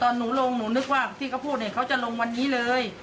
แต่ตอนหนูลงหนูนึกว่าที่เขาพูดเขาจะลงวันนี้เลย